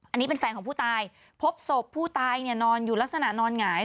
อันนี้เป็นแฟนของผู้ตายพบศพผู้ตายเนี่ยนอนอยู่ลักษณะนอนหงาย